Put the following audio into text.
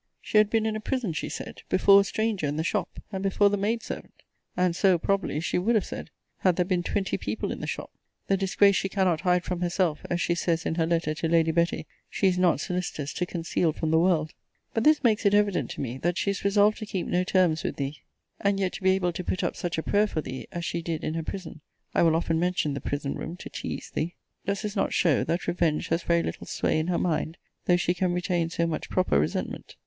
She had been in a prison, she said, before a stranger in the shop, and before the maid servant: and so, probably, she would have said, had there been twenty people in the shop. The disgrace she cannot hide from herself, as she says in her letter to Lady Betty, she is not solicitous to conceal from the world! But this makes it evident to me, that she is resolved to keep no terms with thee. And yet to be able to put up such a prayer for thee, as she did in her prison; [I will often mention the prison room, to tease thee!] Does this not show, that revenge has very little sway in her mind; though she can retain so much proper resentment?